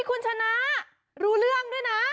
คุณชนะรู้เรื่องด้วยนะ